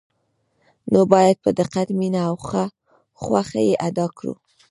نو باید په دقت، مینه او خوښه یې ادا کړو.